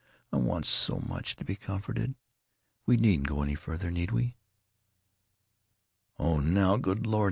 I want so much to be comforted. We needn't go any further, need we?" "Oh now, good Lord!